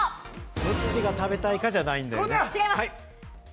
どっちが食べたいかじゃないんだよね、はい。